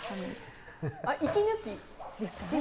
息抜きですかね？